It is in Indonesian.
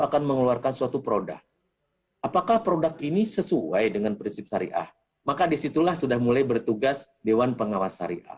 apakah produk ini sesuai dengan prinsip syariah maka disitulah sudah mulai bertugas dewan pengawas syariah